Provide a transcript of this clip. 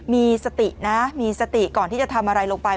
มีสตินะมีสติก่อนที่จะทำอะไรลงไป